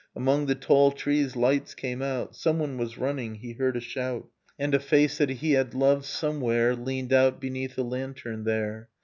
\ Among the tall trees lights came out. Someone was running, he heard a shout, ; And a face that he had loved somewhere Leaned out beneath a lantern there.